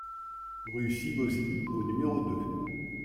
Rue Sybosy au numéro deux